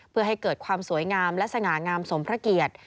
เพื่อให้เกิดความสวยงามและสง่างามสมพระเกียรติ